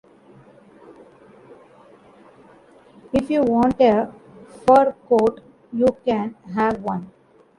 If you want a fur coat you can have one.